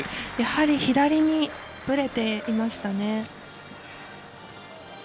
やはり左にぶれていましたね。